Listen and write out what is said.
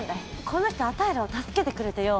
この人あたいらを助けてくれてよ。